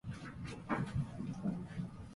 歌はあなたの大切な友達